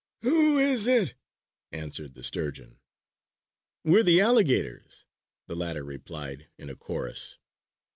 "Who is it?" answered the Sturgeon. "We're the alligators," the latter replied in a chorus.